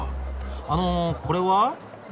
あのこれは？